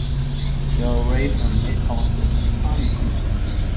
You're away from mid August, aren't you?